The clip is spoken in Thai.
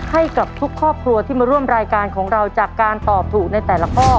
ให้กับทุกครอบครัวที่มาร่วมรายการของเราจากการตอบถูกในแต่ละข้อ